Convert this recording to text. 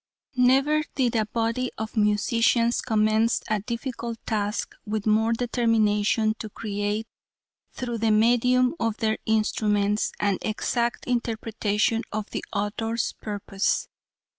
Never did a body of musicians commence a difficult task with more determination to create, through the medium of their instruments, an exact interpretation of the author's purpose.